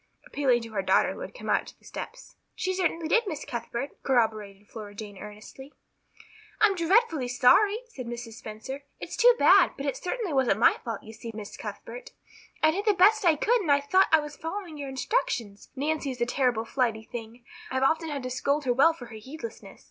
appealing to her daughter who had come out to the steps. "She certainly did, Miss Cuthbert," corroborated Flora Jane earnestly. "I'm dreadful sorry," said Mrs. Spencer. "It's too bad; but it certainly wasn't my fault, you see, Miss Cuthbert. I did the best I could and I thought I was following your instructions. Nancy is a terrible flighty thing. I've often had to scold her well for her heedlessness."